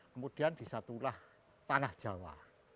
kemudian disatulah tanah jawa